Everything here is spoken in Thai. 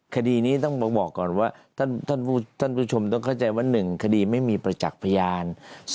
คดีนี้ต้องบอกก่อนว่าท่านผู้ชมต้องเข้าใจว่า๑คดีไม่มีประจักษ์พยาน